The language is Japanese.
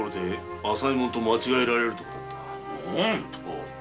何と！？